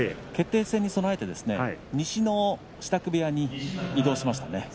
決定戦に備えて西の支度部屋に移動しました。